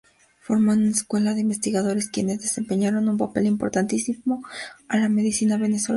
Formó una escuela de investigadores, quienes desempeñaron un papel importantísimo en la medicina venezolana.